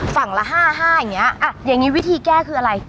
ฝั่งละห้าห้าอย่างเงี้ยอ่ะอย่างงี้วิธีแก้คืออะไร